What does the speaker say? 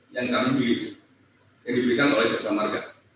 yang kami belikan oleh jasa marga